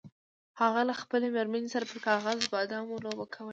هغه له خپلې میرمنې سره پر کاغذي بادامو لوبه کوله.